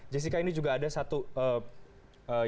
jessica ini juga ada satu jeda